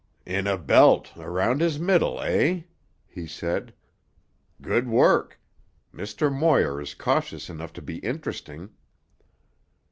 "In a belt, around his middle, eh?" he said. "Good work. Mr. Moir is cautious enough to be interesting."